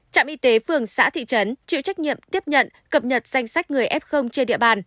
trạm y tế phường xã thị trấn chịu trách nhiệm tiếp nhận cập nhật danh sách người f trên địa bàn